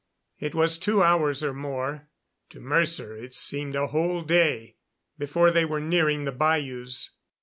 It was two hours or more to Mercer it seemed a whole day before they were nearing the bayous.